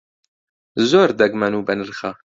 زۆر دەگمەن و بەنرخە.